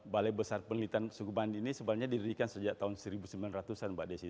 balai besar penelitian suku banding ini sebenarnya didirikan sejak tahun seribu sembilan ratus an mbak desi